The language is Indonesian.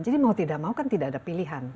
jadi mau tidak mau kan tidak ada pilihan